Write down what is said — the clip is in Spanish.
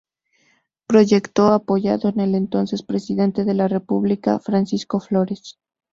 Proyecto apoyado por el entonces Presidente de la República, Francisco Flores.